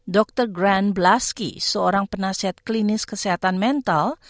dr grant blaski seorang penasihat klinis kesehatan mental